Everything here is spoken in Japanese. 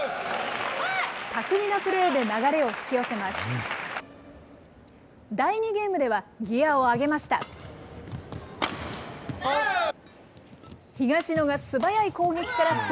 巧みなプレーで流れを引き寄せます。